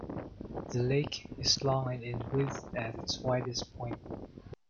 The lake is long and in width at its widest point.